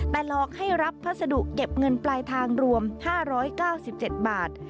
แต่หลอกให้รับพัสดุเก็บเงินปลายทางรวม๕๙๗บาท